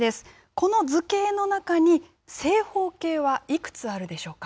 この図形の中に正方形はいくつあるでしょうか。